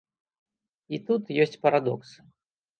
І тут ёсць парадокс.